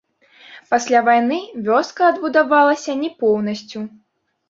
Пасля вайны вёска адбудавалася не поўнасцю.